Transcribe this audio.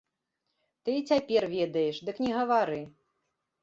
Ты і цяпер ведаеш, дык не гавары.